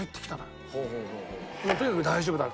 とにかく「大丈夫だ」。